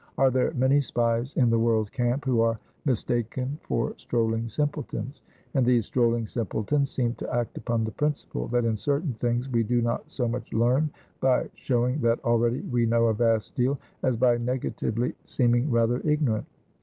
are there many spies in the world's camp, who are mistaken for strolling simpletons. And these strolling simpletons seem to act upon the principle, that in certain things, we do not so much learn, by showing that already we know a vast deal, as by negatively seeming rather ignorant.